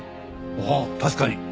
ああ確かに！